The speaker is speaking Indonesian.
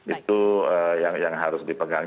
itu yang harus dipegang